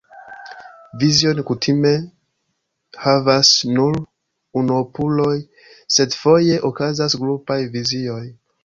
Vizion kutime havas nur unuopuloj, sed foje okazas grupaj vizioj.